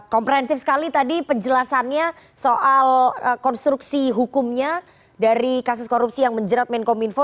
komprehensif sekali tadi penjelasannya soal konstruksi hukumnya dari kasus korupsi yang menjerat menkominfo